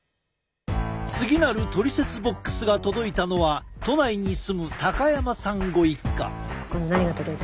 次なるトリセツボックスが届いたのは都内に住む高山さんご一家。